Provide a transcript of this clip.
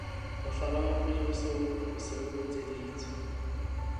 Mohlala wa pele o se o o etseditswe.